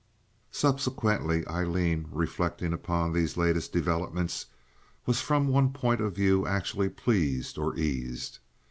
Subsequently Aileen, reflecting upon these latest developments, was from one point of view actually pleased or eased.